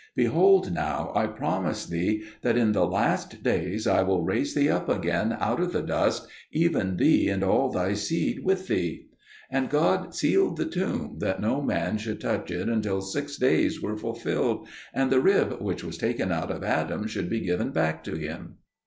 Behold now I promise thee that in the last days I will raise thee up yet again out of the dust, even thee and all thy seed with thee." And God sealed the tomb that no man should touch it until six days were fulfilled, and the rib which was taken out of Adam should be given back to him.